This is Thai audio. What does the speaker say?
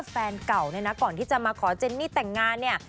แฟนเก่าเนี่ยนะก่อนที่จะมาขอเจนนี่แต่งงานเนี่ย